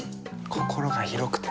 心が広くて。